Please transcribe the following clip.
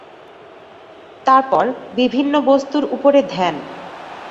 তারপর বিভিন্ন বস্তুর উপরে ধ্যান।